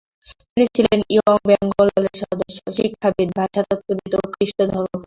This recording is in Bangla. তিনি ছিলেন ইয়ং বেঙ্গল দলের সদস্য, শিক্ষাবিদ, ভাষাতত্ত্ববিদ ও খ্রিষ্টধর্মপ্রচারক।